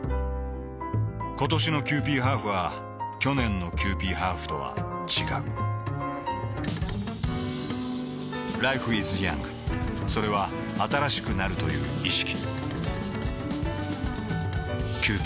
ことしのキユーピーハーフは去年のキユーピーハーフとは違うＬｉｆｅｉｓｙｏｕｎｇ．それは新しくなるという意識